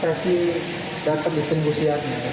dirjen perdagangan dalam negeri suhanto menyatakan